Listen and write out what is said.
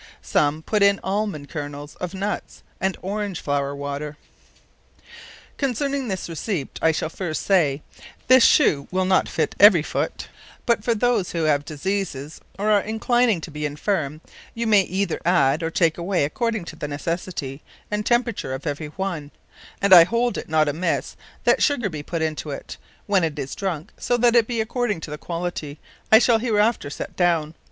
Some put in Almons, kernells of Nuts, and Orenge flower water. Concerning this Receipt I shall first say, This shooe will not fit every foote; but for those, who have diseases, or are inclining to be infirme, you may either adde, or take away, according to the necessity, and temperature of every one: and I hold it not amisse, that Sugar be put into it, when it is drunke, so that it be according to the quantity I shall hereafter set downe.